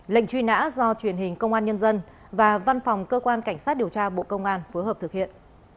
lệnh truy nã do truyền hình công an nhân dân và văn phòng cơ quan cảnh sát điều tra bộ công an phối hợp thực hiện